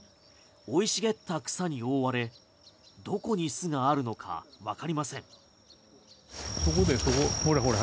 生い茂った草に覆われどこに巣があるのかわかりません。